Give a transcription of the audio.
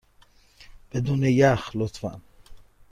بدون یخ، لطفا.